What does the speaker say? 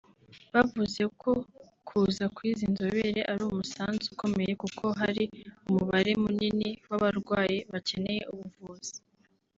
bavuze ko kuza kw’izi nzobere ari umusanzu ukomeye kuko hari umubare munini w’abarwayi bakeneye ubuvuzi